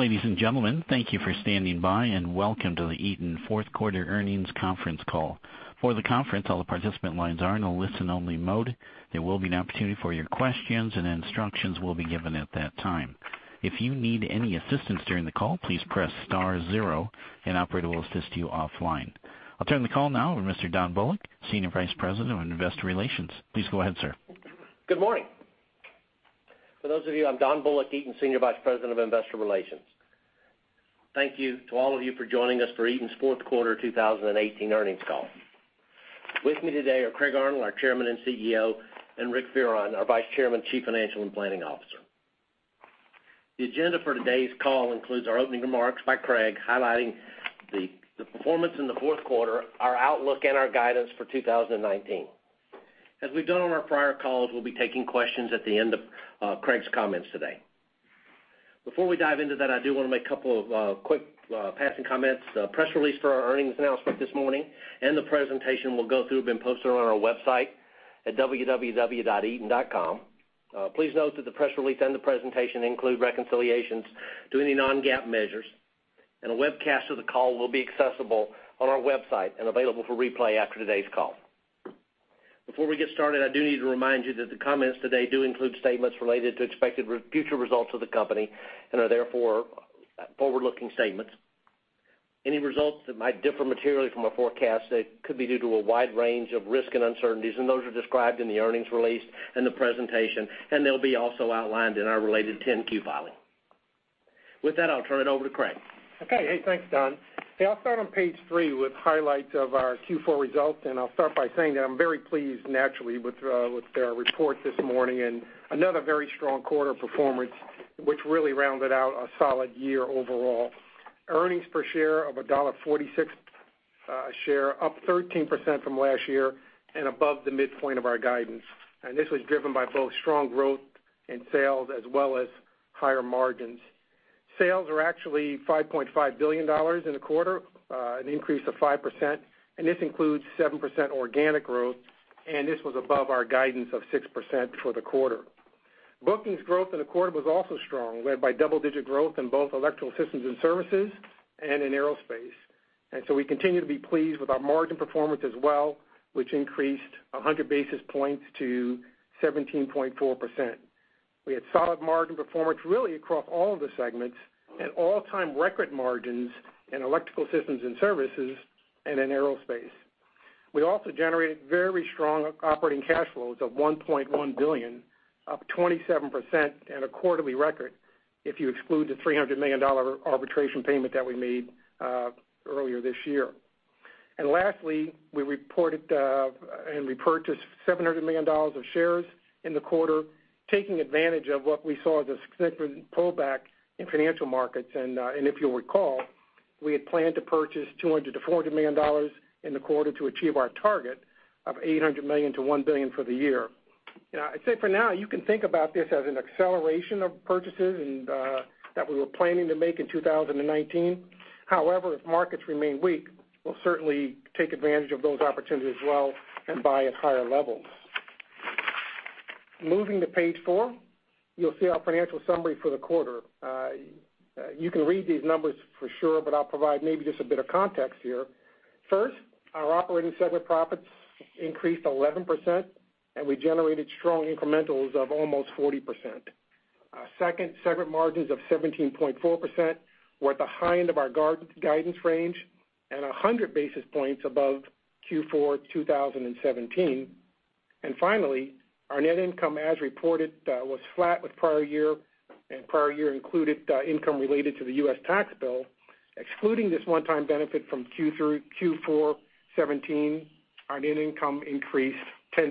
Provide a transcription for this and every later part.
Ladies and gentlemen, thank you for standing by, and welcome to the Eaton fourth quarter earnings conference call. For the conference, all the participant lines are in a listen-only mode. There will be an opportunity for your questions, and instructions will be given at that time. If you need any assistance during the call, please press star zero and operator will assist you offline. I'll turn the call now over to Mr. Don Bullock, Senior Vice President of Investor Relations. Please go ahead, sir. Good morning. For those of you, I'm Don Bullock, Eaton Senior Vice President of Investor Relations. Thank you to all of you for joining us for Eaton's fourth quarter 2018 earnings call. With me today are Craig Arnold, our Chairman and CEO, and Rick Fearon, our Vice Chairman, Chief Financial and Planning Officer. The agenda for today's call includes our opening remarks by Craig, highlighting the performance in the fourth quarter, our outlook and our guidance for 2019. As we've done on our prior calls, we'll be taking questions at the end of Craig's comments today. Before we dive into that, I do want to make a couple of quick passing comments. The press release for our earnings announcement this morning and the presentation we'll go through have been posted on our website at www.eaton.com. Please note that the press release and the presentation include reconciliations to any non-GAAP measures, and a webcast of the call will be accessible on our website and available for replay after today's call. Before we get started, I do need to remind you that the comments today do include statements related to expected future results of the company and are therefore forward-looking statements. Any results that might differ materially from our forecast could be due to a wide range of risk and uncertainties, and those are described in the earnings release and the presentation, and they'll be also outlined in our related 10-Q filing. With that, I'll turn it over to Craig. Okay. Hey, thanks, Don. I'll start on page three with highlights of our Q4 results, and I'll start by saying that I'm very pleased naturally with the report this morning, and another very strong quarter performance, which really rounded out a solid year overall. Earnings per share of $1.46 a share, up 13% from last year and above the midpoint of our guidance. This was driven by both strong growth in sales as well as higher margins. Sales were actually $5.5 billion in the quarter, an increase of 5%, and this includes 7% organic growth, and this was above our guidance of 6% for the quarter. Bookings growth in the quarter was also strong, led by double-digit growth in both Electrical Systems and Services and in aerospace. We continue to be pleased with our margin performance as well, which increased 100 basis points to 17.4%. We had solid margin performance really across all of the segments and all-time record margins in Electrical Systems and Services and in aerospace. We also generated very strong operating cash flows of $1.1 billion, up 27% and a quarterly record if you exclude the $300 million arbitration payment that we made earlier this year. Lastly, we reported and repurchased $700 million of shares in the quarter, taking advantage of what we saw as a significant pullback in financial markets. If you'll recall, we had planned to purchase $200 million-$400 million in the quarter to achieve our target of $800 million-$1 billion for the year. I'd say for now, you can think about this as an acceleration of purchases that we were planning to make in 2019. However, if markets remain weak, we'll certainly take advantage of those opportunities as well and buy at higher levels. Moving to page four, you'll see our financial summary for the quarter. You can read these numbers for sure, but I'll provide maybe just a bit of context here. First, our operating segment profits increased 11%, and we generated strong incrementals of almost 40%. Second, segment margins of 17.4% were at the high end of our guidance range and 100 basis points above Q4 2017. Finally, our net income as reported, was flat with prior year, and prior year included income related to the U.S. tax bill. Excluding this one-time benefit from Q4 2017, our net income increased 10%.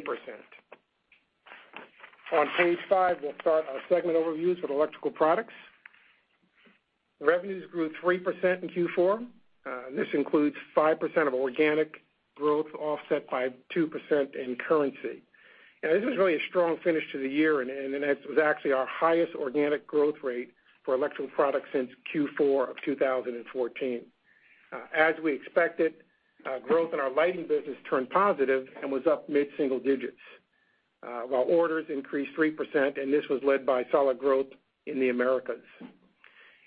On page five, we'll start our segment overviews with Electrical Products. Revenues grew 3% in Q4. This includes 5% of organic growth, offset by 2% in currency. This was really a strong finish to the year, and it was actually our highest organic growth rate for Electrical Products since Q4 of 2014. As we expected, growth in our lighting business turned positive and was up mid-single digits. Orders increased 3%, and this was led by solid growth in the Americas.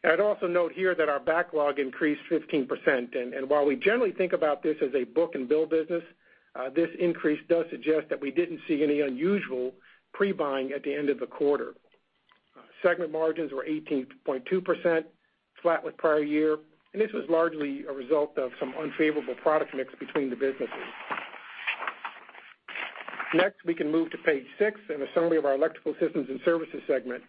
I'd also note here that our backlog increased 15%, and while we generally think about this as a book and bill business, this increase does suggest that we didn't see any unusual pre-buying at the end of the quarter. Segment margins were 18.2%, flat with prior year, and this was largely a result of some unfavorable product mix between the businesses. Next, we can move to page six and a summary of our Electrical Systems and Services segment.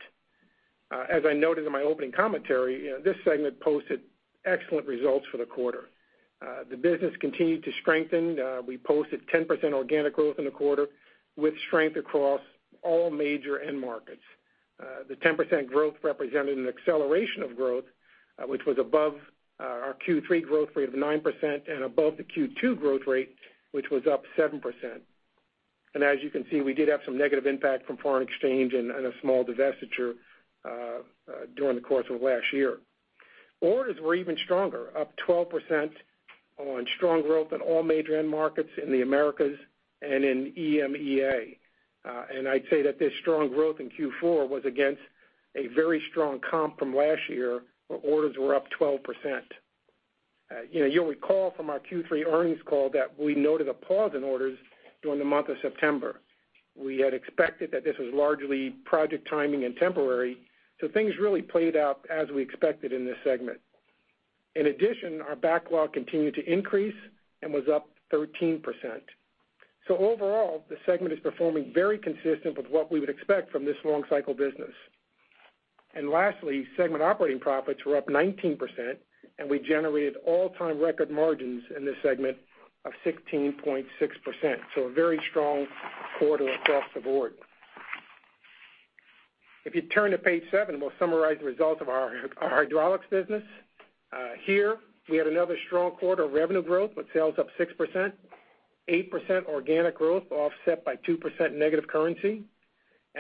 As I noted in my opening commentary, this segment posted excellent results for the quarter. The business continued to strengthen. We posted 10% organic growth in the quarter with strength across all major end markets. The 10% growth represented an acceleration of growth, which was above our Q3 growth rate of 9% and above the Q2 growth rate, which was up 7%. As you can see, we did have some negative impact from foreign exchange and a small divestiture during the course of last year. Orders were even stronger, up 12% on strong growth in all major end markets in the Americas and in EMEA. I'd say that this strong growth in Q4 was against a very strong comp from last year, where orders were up 12%. You'll recall from our Q3 earnings call that we noted a pause in orders during the month of September. We had expected that this was largely project timing and temporary, things really played out as we expected in this segment. In addition, our backlog continued to increase and was up 13%. Overall, the segment is performing very consistent with what we would expect from this long cycle business. Lastly, segment operating profits were up 19%, and we generated all-time record margins in this segment of 16.6%, so a very strong quarter across the board. If you turn to page seven, we'll summarize the results of our hydraulics business. Here, we had another strong quarter of revenue growth, with sales up 6%, 8% organic growth offset by 2% negative currency.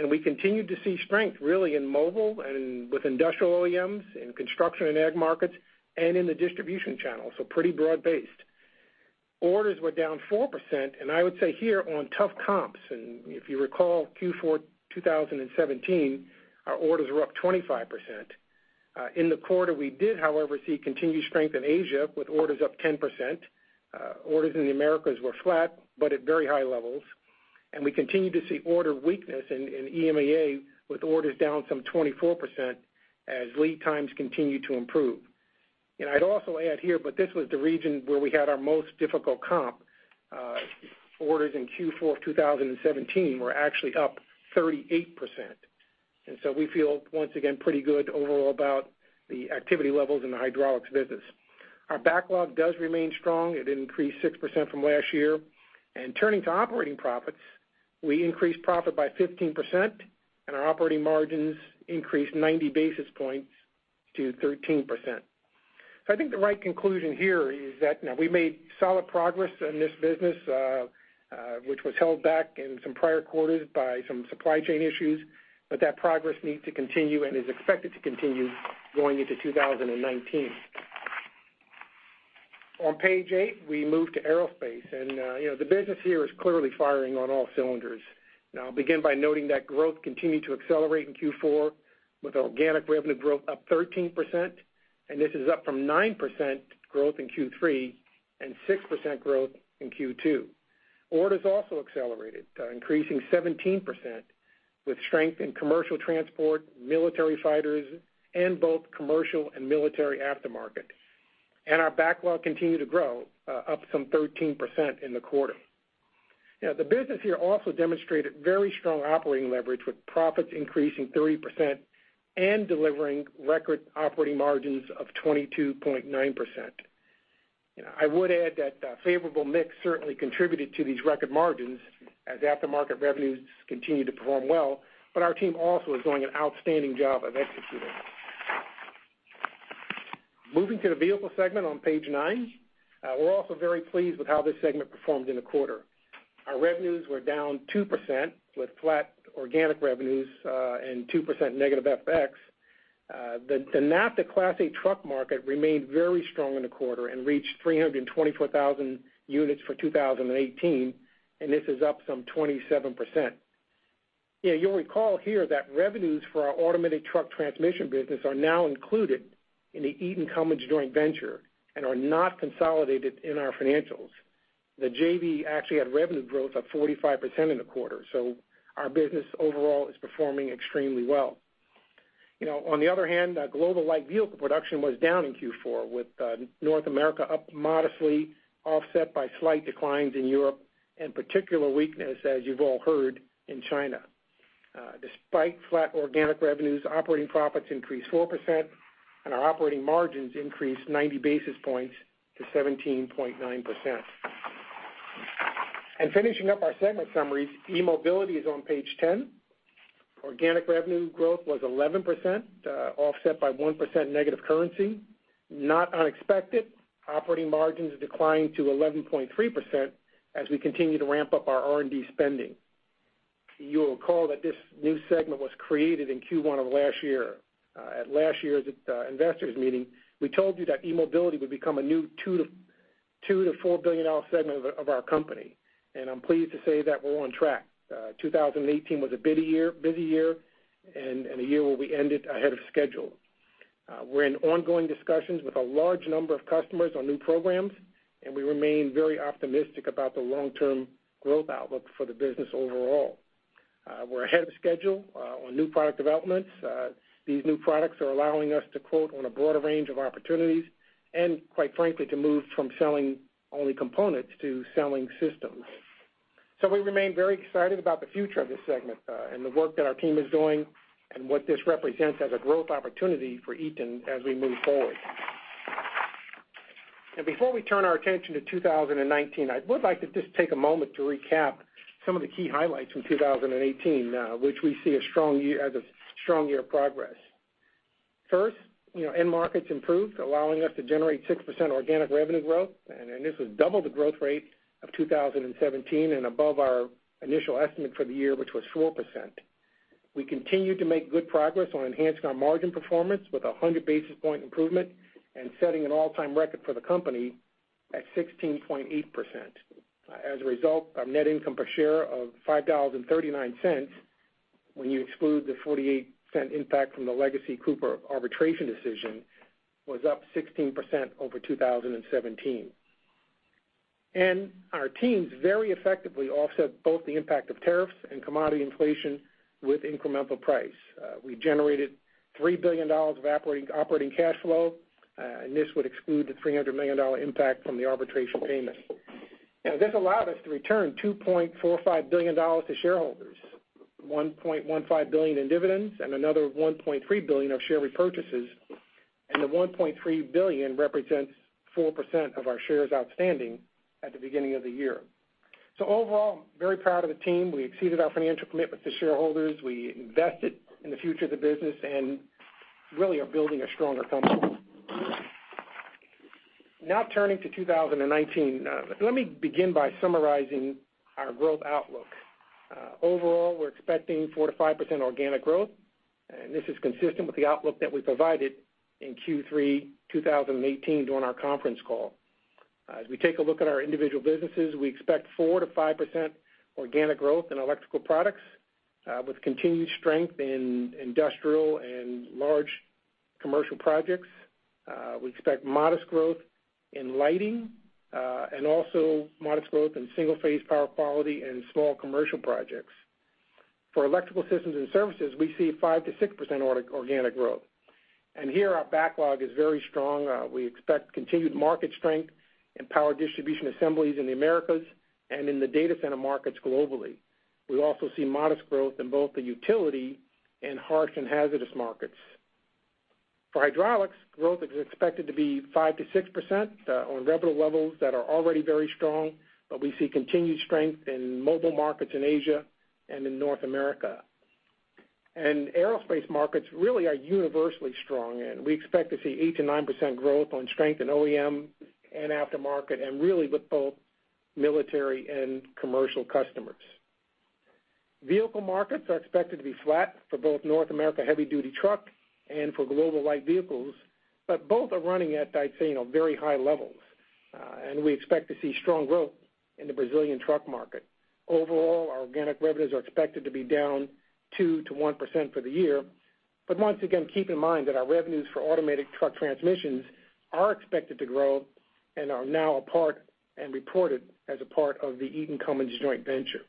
We continued to see strength really in mobile and with industrial OEMs, in construction and ag markets, and in the distribution channel, so pretty broad-based. Orders were down 4%, I would say here on tough comps, and if you recall Q4 2017, our orders were up 25%. In the quarter, we did, however, see continued strength in Asia, with orders up 10%. Orders in the Americas were flat, but at very high levels. We continued to see order weakness in EMEA, with orders down some 24% as lead times continue to improve. I'd also add here, but this was the region where we had our most difficult comp. Orders in Q4 of 2017 were actually up 38%. We feel, once again, pretty good overall about the activity levels in the hydraulics business. Our backlog does remain strong. It increased 6% from last year. Turning to operating profits, we increased profit by 15%, and our operating margins increased 90 basis points to 13%. I think the right conclusion here is that now we made solid progress in this business, which was held back in some prior quarters by some supply chain issues, but that progress needs to continue and is expected to continue going into 2019. On page eight, we move to aerospace, the business here is clearly firing on all cylinders. Now I'll begin by noting that growth continued to accelerate in Q4 with organic revenue growth up 13%, and this is up from 9% growth in Q3 and 6% growth in Q2. Orders also accelerated, increasing 17%, with strength in commercial transport, military fighters, and both commercial and military aftermarket. Our backlog continued to grow, up some 13% in the quarter. Now, the business here also demonstrated very strong operating leverage with profits increasing 30% and delivering record operating margins of 22.9%. I would add that favorable mix certainly contributed to these record margins as aftermarket revenues continued to perform well, but our team also is doing an outstanding job of executing. Moving to the vehicle segment on page nine, we're also very pleased with how this segment performed in the quarter. Our revenues were down 2% with flat organic revenues and 2% negative FX. The NAFTA Class 8 truck market remained very strong in the quarter and reached 324,000 units for 2018, and this is up some 27%. You'll recall here that revenues for our automated truck transmission business are now included in the Eaton-Cummins joint venture and are not consolidated in our financials. The JV actually had revenue growth up 45% in the quarter, our business overall is performing extremely well. On the other hand, global light vehicle production was down in Q4, with North America up modestly, offset by slight declines in Europe, and particular weakness, as you've all heard, in China. Despite flat organic revenues, operating profits increased 4%, and our operating margins increased 90 basis points to 17.9%. Finishing up our segment summaries, eMobility is on page 10. Organic revenue growth was 11%, offset by 1% negative currency. Not unexpected, operating margins declined to 11.3% as we continue to ramp up our R&D spending. You'll recall that this new segment was created in Q1 of last year. At last year's investors meeting, we told you that eMobility would become a new $2 billion-$4 billion segment of our company, and I'm pleased to say that we're on track. 2018 was a busy year, and a year where we ended ahead of schedule. We're in ongoing discussions with a large number of customers on new programs, and we remain very optimistic about the long-term growth outlook for the business overall. We're ahead of schedule on new product developments. These new products are allowing us to quote on a broader range of opportunities and, quite frankly, to move from selling only components to selling systems. We remain very excited about the future of this segment and the work that our team is doing and what this represents as a growth opportunity for Eaton as we move forward. Before we turn our attention to 2019, I would like to just take a moment to recap some of the key highlights from 2018, which we see as a strong year of progress. First, end markets improved, allowing us to generate 6% organic revenue growth, and this was double the growth rate of 2017 and above our initial estimate for the year, which was 4%. We continue to make good progress on enhancing our margin performance with 100 basis point improvement and setting an all-time record for the company at 16.8%. As a result, our net income per share of $5.39, when you exclude the $0.48 impact from the legacy Cooper arbitration decision, was up 16% over 2017. Our teams very effectively offset both the impact of tariffs and commodity inflation with incremental price. We generated $3 billion of operating cash flow, and this would exclude the $300 million impact from the arbitration payment. This allowed us to return $2.45 billion to shareholders, $1.15 billion in dividends and another $1.3 billion of share repurchases. The $1.3 billion represents 4% of our shares outstanding at the beginning of the year. Overall, very proud of the team. We exceeded our financial commitment to shareholders. We invested in the future of the business and really are building a stronger company. Turning to 2019. Let me begin by summarizing our growth outlook. Overall, we're expecting 4%-5% organic growth, and this is consistent with the outlook that we provided in Q3 2018 during our conference call. As we take a look at our individual businesses, we expect 4%-5% organic growth in Electrical Products, with continued strength in industrial and large commercial projects. We expect modest growth in lighting, and also modest growth in single-phase power quality and small commercial projects. For Electrical Systems and Services, we see 5%-6% organic growth. Here our backlog is very strong. We expect continued market strength in power distribution assemblies in the Americas and in the data center markets globally. We also see modest growth in both the utility and harsh and hazardous markets. For Hydraulics, growth is expected to be 5%-6% on revenue levels that are already very strong, but we see continued strength in mobile markets in Asia and in North America. Aerospace markets really are universally strong, and we expect to see 8%-9% growth on strength in OEM and aftermarket, and really with both military and commercial customers. Vehicle markets are expected to be flat for both North America heavy-duty truck and for global light vehicles, but both are running at, I'd say, very high levels. We expect to see strong growth in the Brazilian truck market. Overall, our organic revenues are expected to be down 2%-1% for the year. Once again, keep in mind that our revenues for automated truck transmissions are expected to grow and are now a part and reported as a part of the Eaton Cummins joint venture.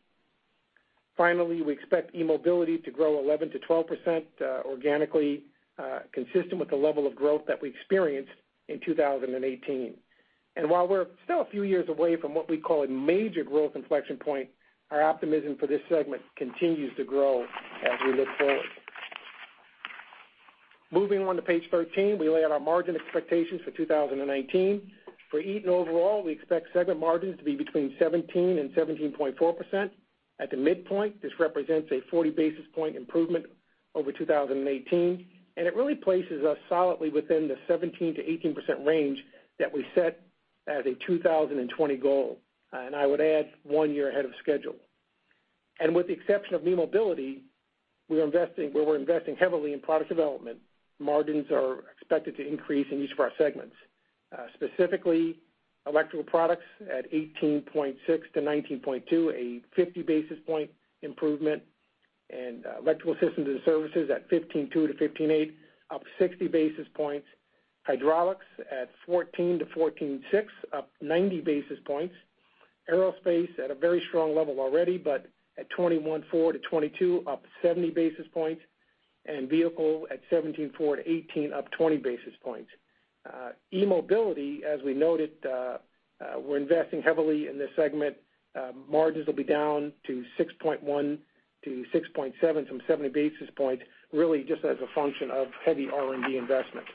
Finally, we expect eMobility to grow 11%-12%, organically, consistent with the level of growth that we experienced in 2018. While we're still a few years away from what we call a major growth inflection point, our optimism for this segment continues to grow as we look forward. Moving on to page 13, we lay out our margin expectations for 2019. For Eaton overall, we expect segment margins to be between 17% and 17.4%. At the midpoint, this represents a 40 basis point improvement over 2018, and it really places us solidly within the 17%-18% range that we set as a 2020 goal, and I would add one year ahead of schedule. With the exception of eMobility, where we're investing heavily in product development, margins are expected to increase in each of our segments. Specifically Electrical Products at 18.6%-19.2%, a 50 basis point improvement, and Electrical Systems and Services at 15.2%-15.8%, up 60 basis points. Hydraulics at 14%-14.6%, up 90 basis points. Aerospace at a very strong level already, but at 21.4%-22%, up 70 basis points, and Vehicle at 17.4%-18%, up 20 basis points. eMobility, as we noted, we're investing heavily in this segment. Margins will be down to 6.1%-6.7%, some 70 basis points, really just as a function of heavy R&D investment.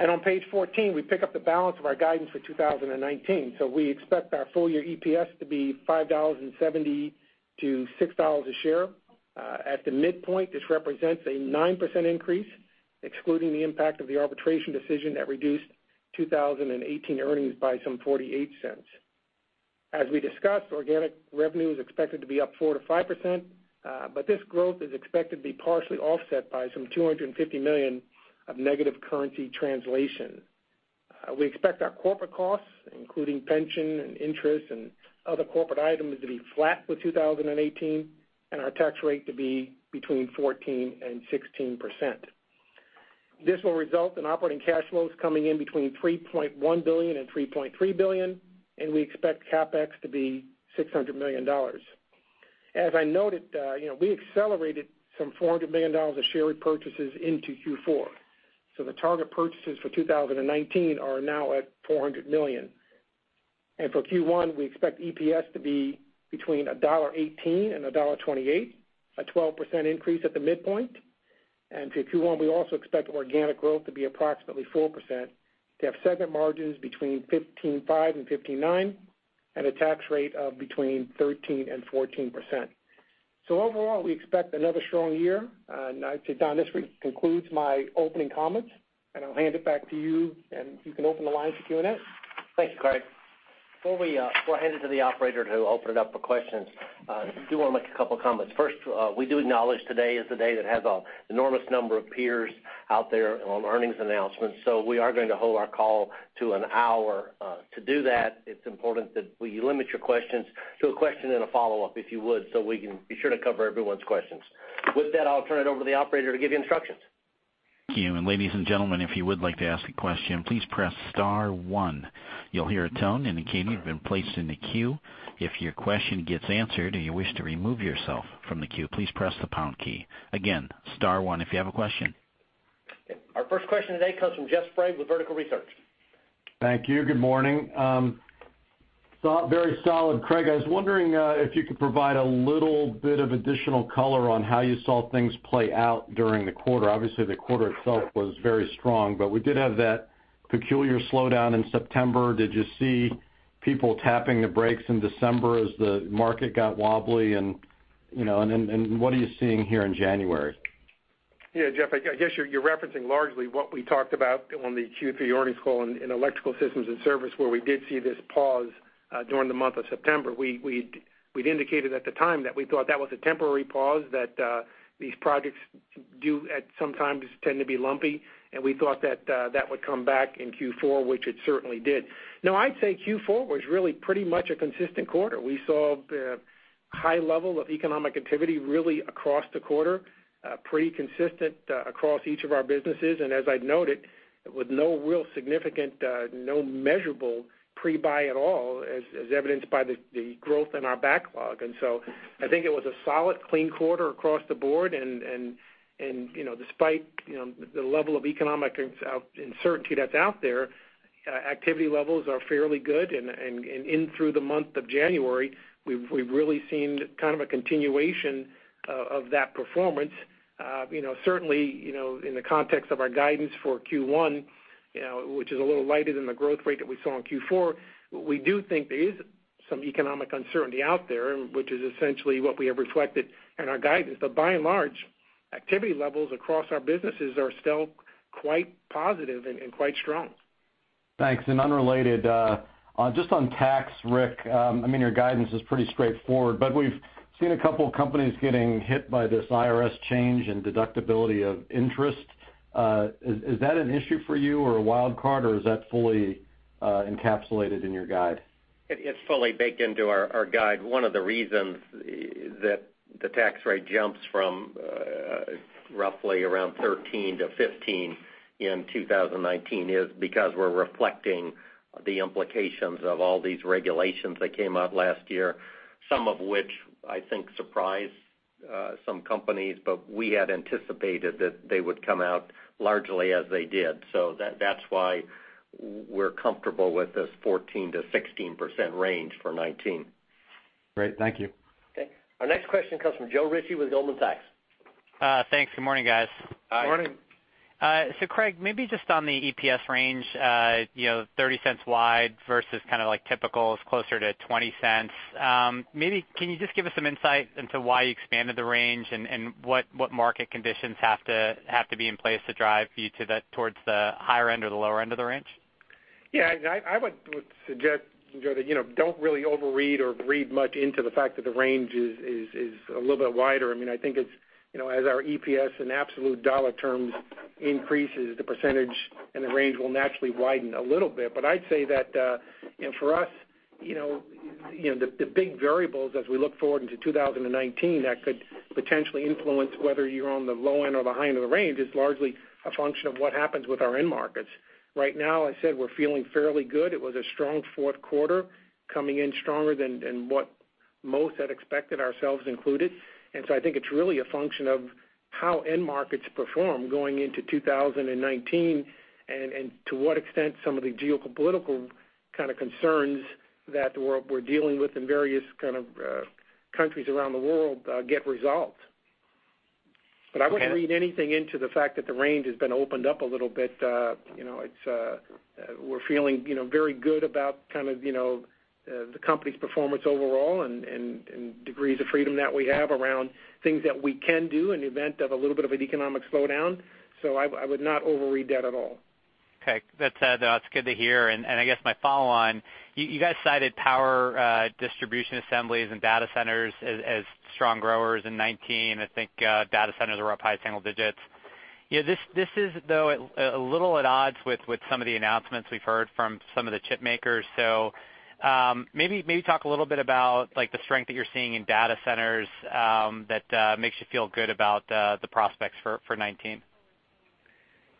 On page 14, we pick up the balance of our guidance for 2019. We expect our full-year EPS to be $5.70-$6 a share. At the midpoint, this represents a 9% increase, excluding the impact of the arbitration decision that reduced 2018 earnings by some $0.48. As we discussed, organic revenue is expected to be up 4%-5%, but this growth is expected to be partially offset by some $250 million of negative currency translation. We expect our corporate costs, including pension and interest and other corporate items, to be flat for 2018, and our tax rate to be between 14% and 16%. This will result in operating cash flows coming in between $3.1 billion and $3.3 billion, and we expect CapEx to be $600 million. As I noted, we accelerated some $400 million of share repurchases into Q4. The target purchases for 2019 are now at $400 million. For Q1, we expect EPS to be between $1.18 and $1.28, a 12% increase at the midpoint. For Q1, we also expect organic growth to be approximately 4%, to have segment margins between 15.5% and 15.9%, and a tax rate of between 13% and 14%. Overall, we expect another strong year. I'd say, Don, this concludes my opening comments, and I'll hand it back to you, and you can open the line for Q&A. Thanks, Craig. Before we hand it to the operator to open it up for questions, I do want to make a couple of comments. First, we do acknowledge today is the day that has an enormous number of peers out there on earnings announcements. We are going to hold our call to an hour. To do that, it's important that you limit your questions to a question and a follow-up, if you would, so we can be sure to cover everyone's questions. With that, I'll turn it over to the operator to give you instructions. Thank you. Ladies and gentlemen, if you would like to ask a question, please press star one. You'll hear a tone indicating you've been placed in the queue. If your question gets answered or you wish to remove yourself from the queue, please press the pound key. Again, star one if you have a question. Our first question today comes from Jeff Sprague with Vertical Research. Thank you. Good morning. Very solid, Craig. I was wondering if you could provide a little bit of additional color on how you saw things play out during the quarter. Obviously, the quarter itself was very strong, but we did have that peculiar slowdown in September. Did you see people tapping the brakes in December as the market got wobbly? What are you seeing here in January? Yeah, Jeff, I guess you're referencing largely what we talked about on the Q3 earnings call in Electrical Systems and Services, where we did see this pause during the month of September. We'd indicated at the time that we thought that was a temporary pause, that these projects do sometimes tend to be lumpy, and we thought that that would come back in Q4, which it certainly did. Now, I'd say Q4 was really pretty much a consistent quarter. We saw high level of economic activity really across the quarter, pretty consistent across each of our businesses. As I noted, with no real significant, no measurable pre-buy at all, as evidenced by the growth in our backlog. I think it was a solid, clean quarter across the board. Despite the level of economic uncertainty that's out there, activity levels are fairly good. In through the month of January, we've really seen kind of a continuation of that performance. Certainly, in the context of our guidance for Q1, which is a little lighter than the growth rate that we saw in Q4, we do think there is some economic uncertainty out there, which is essentially what we have reflected in our guidance. By and large, activity levels across our businesses are still quite positive and quite strong. Thanks. Unrelated, just on tax, Rick, your guidance is pretty straightforward, we've seen a couple of companies getting hit by this IRS change in deductibility of interest. Is that an issue for you or a wild card, or is that fully encapsulated in your guide? It's fully baked into our guide. One of the reasons that the tax rate jumps from roughly around 13% to 15% in 2019 is because we're reflecting the implications of all these regulations that came out last year, some of which I think surprised some companies. We had anticipated that they would come out largely as they did. That's why we're comfortable with this 14% to 16% range for 2019. Great. Thank you. Our next question comes from Joe Ritchie with Goldman Sachs. Thanks. Good morning, guys. Morning. Craig, maybe just on the EPS range, $0.30 wide versus kind of like typical is closer to $0.20. Maybe can you just give us some insight into why you expanded the range and what market conditions have to be in place to drive you towards the higher end or the lower end of the range? I would suggest, Joe, that don't really overread or read much into the fact that the range is a little bit wider. I think as our EPS in absolute dollar terms increases, the percentage and the range will naturally widen a little bit. I'd say that for us, the big variables as we look forward into 2019 that could potentially influence whether you're on the low end or the high end of the range is largely a function of what happens with our end markets. Right now, as I said, we're feeling fairly good. It was a strong fourth quarter, coming in stronger than what most had expected, ourselves included. I think it's really a function of how end markets perform going into 2019, and to what extent some of the geopolitical kind of concerns that we're dealing with in various kind of countries around the world get resolved. I wouldn't read anything into the fact that the range has been opened up a little bit. We're feeling very good about kind of the company's performance overall and degrees of freedom that we have around things that we can do in the event of a little bit of an economic slowdown. I would not overread that at all. Okay. That's good to hear. I guess my follow on, you guys cited power distribution assemblies and data centers as strong growers in 2019. I think data centers are up high single-digits. This is, though, a little at odds with some of the announcements we've heard from some of the chip makers. Maybe talk a little bit about the strength that you're seeing in data centers that makes you feel good about the prospects for 2019.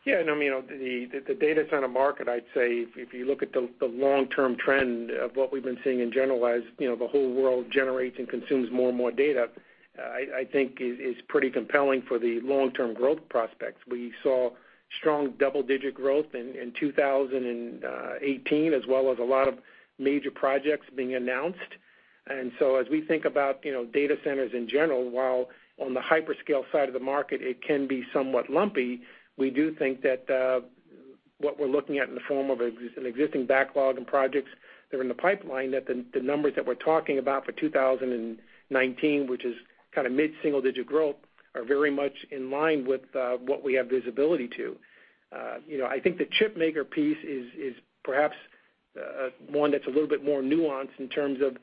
Yeah. The data center market, I'd say, if you look at the long-term trend of what we've been seeing in generalized, the whole world generates and consumes more and more data, I think is pretty compelling for the long-term growth prospects. We saw strong double-digit growth in 2018, as well as a lot of major projects being announced. As we think about data centers in general, while on the hyperscale side of the market, it can be somewhat lumpy, we do think that what we're looking at in the form of an existing backlog and projects that are in the pipeline, that the numbers that we're talking about for 2019, which is kind of mid-single-digit growth, are very much in line with what we have visibility to. I think the chip maker piece is perhaps one that's a little bit more nuanced in terms of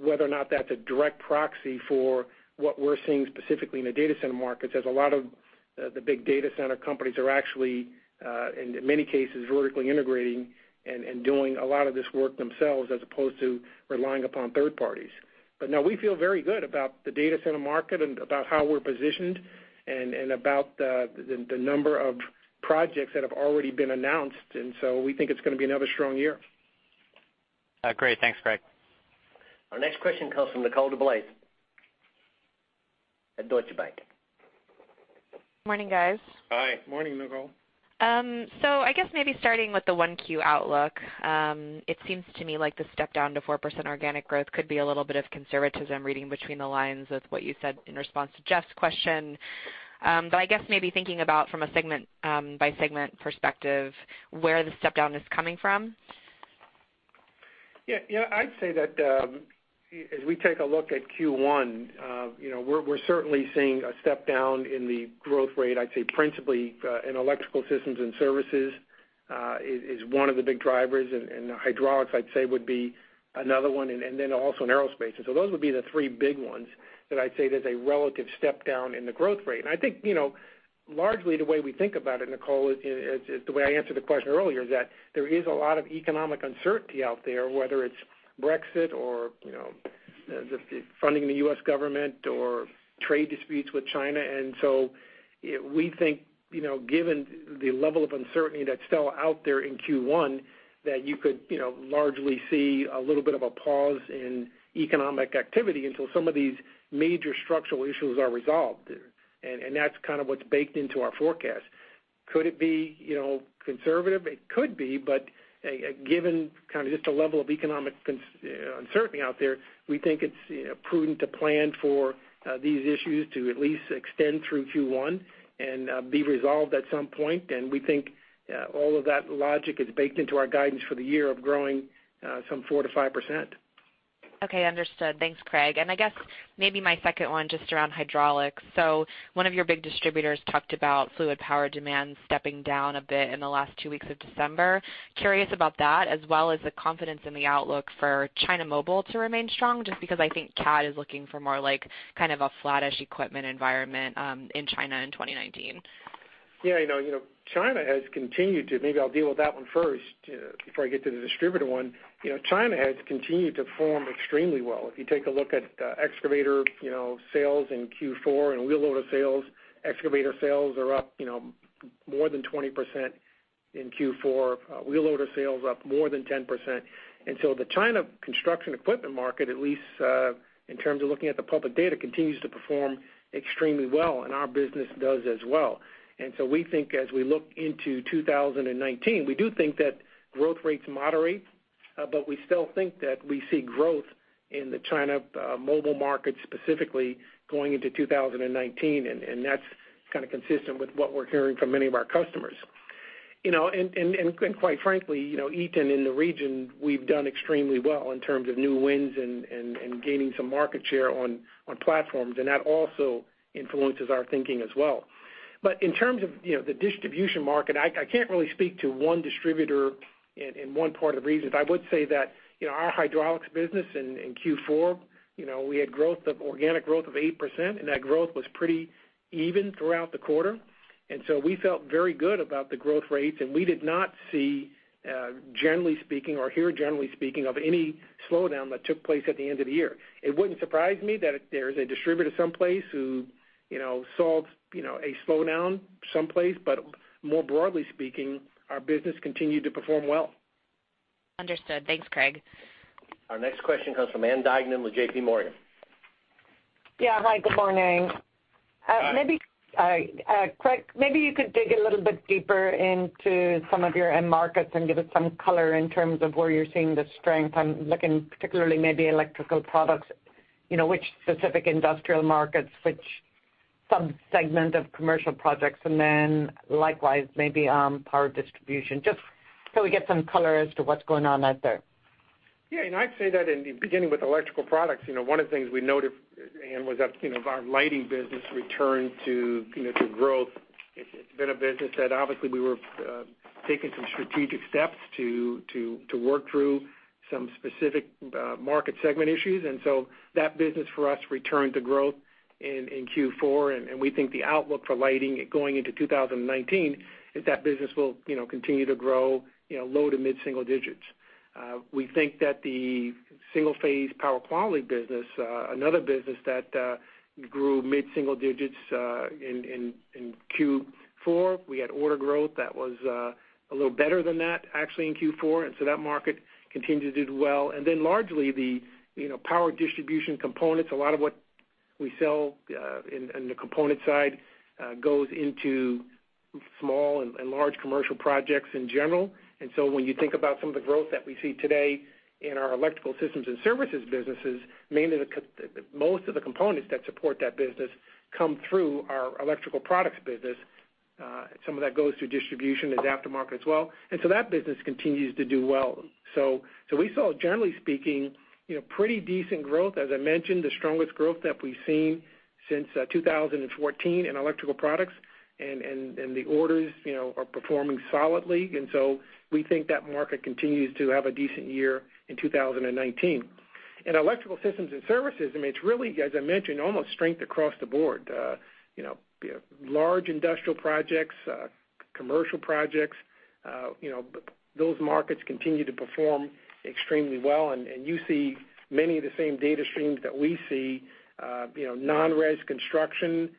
whether or not that's a direct proxy for what we're seeing specifically in the data center markets, as a lot of the big data center companies are actually, in many cases, vertically integrating and doing a lot of this work themselves as opposed to relying upon third parties. Now we feel very good about the data center market and about how we're positioned and about the number of projects that have already been announced. We think it's going to be another strong year. Great. Thanks, Craig. Our next question comes from Nicole DeBlase at Deutsche Bank. Morning, guys. Hi. Morning, Nicole. I guess maybe starting with the 1Q outlook, it seems to me like the step down to 4% organic growth could be a little bit of conservatism, reading between the lines with what you said in response to Jeff's question. I guess maybe thinking about from a segment-by-segment perspective, where the step down is coming from? Yeah, I'd say that as we take a look at Q1, we're certainly seeing a step down in the growth rate. I'd say principally in Electrical Systems and Services, is one of the big drivers. Hydraulics, I'd say, would be another one, then also in aerospace. Those would be the three big ones that I'd say there's a relative step down in the growth rate. I think, largely the way we think about it, Nicole, is the way I answered the question earlier, is that there is a lot of economic uncertainty out there, whether it's Brexit or the funding the U.S. government or trade disputes with China. We think, given the level of uncertainty that's still out there in Q1, that you could largely see a little bit of a pause in economic activity until some of these major structural issues are resolved. That's kind of what's baked into our forecast. Could it be conservative? It could be. Given kind of just a level of economic uncertainty out there, we think it's prudent to plan for these issues to at least extend through Q1 and be resolved at some point. We think all of that logic is baked into our guidance for the year of growing some 4%-5%. Okay, understood. Thanks, Craig. I guess maybe my second one just around hydraulics. One of your big distributors talked about fluid power demand stepping down a bit in the last two weeks of December. Curious about that, as well as the confidence in the outlook for China mobile market to remain strong, just because I think CAT is looking for more like kind of a flattish equipment environment in China in 2019. Yeah, China has continued to, maybe I'll deal with that one first before I get to the distributor one. China has continued to form extremely well. If you take a look at excavator sales in Q4 and wheel loader sales, excavator sales are up more than 20% in Q4. Wheel loader sales up more than 10%. The China construction equipment market, at least in terms of looking at the public data, continues to perform extremely well, and our business does as well. We think as we look into 2019, we do think that growth rates moderate, but we still think that we see growth in the China mobile market specifically going into 2019. That's kind of consistent with what we're hearing from many of our customers. Quite frankly, Eaton in the region, we've done extremely well in terms of new wins and gaining some market share on platforms, and that also influences our thinking as well. In terms of the distribution market, I can't really speak to one distributor in one part of the region. I would say that our hydraulics business in Q4, we had organic growth of 8%, and that growth was pretty even throughout the quarter. We felt very good about the growth rates, and we did not see, generally speaking, or hear, generally speaking, of any slowdown that took place at the end of the year. It wouldn't surprise me that there's a distributor someplace who saw a slowdown someplace. More broadly speaking, our business continued to perform well. Understood. Thanks, Craig. Our next question comes from Ann Duignan with JPMorgan. Yeah. Hi, good morning. Hi. Craig, maybe you could dig a little bit deeper into some of your end markets and give us some color in terms of where you're seeing the strength. I'm looking particularly maybe Electrical Products, which specific industrial markets, which sub-segment of commercial projects, and then likewise maybe power distribution, just so we get some color as to what's going on out there. Yeah. I'd say that in the beginning with Electrical Products, one of the things we noted, Ann, was that our lighting business returned to growth. It's been a business that obviously we were taking some strategic steps to work through some specific market segment issues. That business for us returned to growth in Q4. We think the outlook for lighting going into 2019 is that business will continue to grow low to mid-single digits. We think that the single-phase power quality business, another business that grew mid-single digits in Q4. We had order growth that was a little better than that actually in Q4. That market continued to do well. Largely the power distribution components, a lot of what we sell in the component side goes into small and large commercial projects in general. When you think about some of the growth that we see today in our Electrical Systems and Services businesses, most of the components that support that business come through our Electrical Products business. Some of that goes to distribution and aftermarket as well. That business continues to do well. We saw, generally speaking, pretty decent growth. As I mentioned, the strongest growth that we've seen since 2014 in Electrical Products. The orders are performing solidly. We think that market continues to have a decent year in 2019. In Electrical Systems and Services, it's really, as I mentioned, almost strength across the board. Large industrial projects, commercial projects, those markets continue to perform extremely well, and you see many of the same data streams that we see. Non-res construction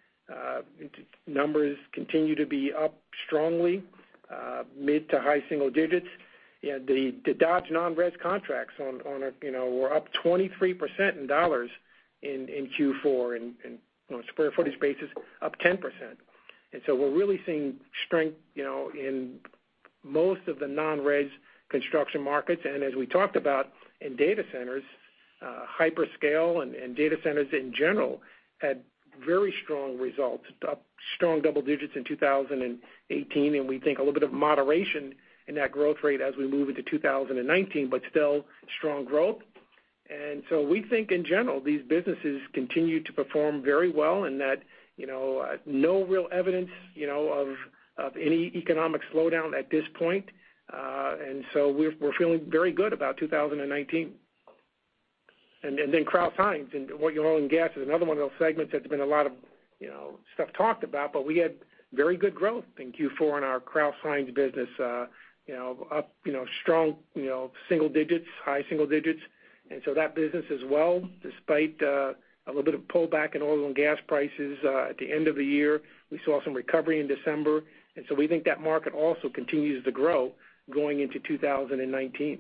numbers continue to be up strongly, mid to high single digits. The Dodge non-res contracts were up 23% in dollars in Q4, on a square footage basis, up 10%. We're really seeing strength in most of the non-res construction markets. As we talked about in data centers, hyperscale and data centers in general had very strong results, up strong double digits in 2018, and we think a little bit of moderation in that growth rate as we move into 2019, but still strong growth. We think in general, these businesses continue to perform very well, and that no real evidence of any economic slowdown at this point. We're feeling very good about 2019. Crouse-Hinds in oil and gas is another one of those segments that's been a lot of stuff talked about, but we had very good growth in Q4 in our Crouse-Hinds business, up strong single digits, high single digits. That business as well, despite a little bit of pullback in oil and gas prices at the end of the year, we saw some recovery in December. We think that market also continues to grow going into 2019.